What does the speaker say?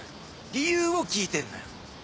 理由を聞いてんのよ。